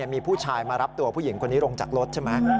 มีผู้ชายมารับตัวผู้หญิงคนนี้ลงจากรถใช่ไหม